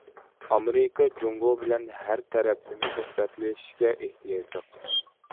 ئامېرىكا جۇڭگو بىلەن ھەر تەرەپلىمە سۆھبەتلىشىشكە ئېھتىياجلىق.